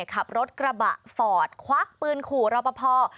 ขับรถกระบะฟอร์ดควักปืนขู่รอปภ